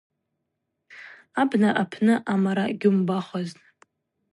Абна апны амара гьуымбахуазтӏ.